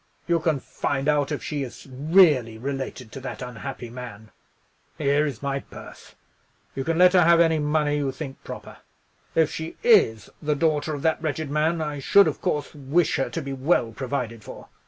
You can find out if she is really related to that unhappy man. Here is my purse. You can let her have any money you think proper. If she is the daughter of that wretched man, I should, of course, wish her to be well provided for.